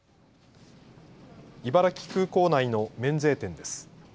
茨城空港内の免税店です。